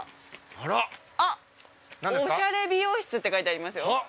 あら？あっおしゃれ美容室って書いてありますよはっ